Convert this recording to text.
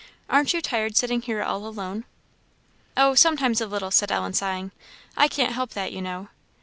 Aren't you tired sitting here all alone?" "Oh, sometimes a little," said Ellen, sighing. "I can't help that, you know."